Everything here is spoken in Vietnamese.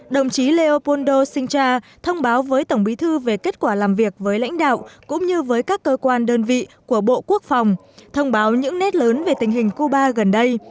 đồng chí leopoldo sincha thông báo với tổng bí thư về kết quả làm việc với lãnh đạo cũng như với các cơ quan đơn vị của bộ quốc phòng thông báo những nét lớn về tình hình cuba gần đây